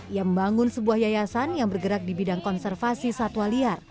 ia membangun sebuah yayasan yang bergerak di bidang konservasi satwa liar